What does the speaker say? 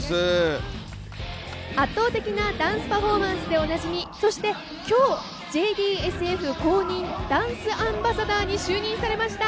圧倒的なダンスパフォーマンスでおなじみ、そして、今日、ＪＤＳＦ公認ダンスアンバサダーに就任されました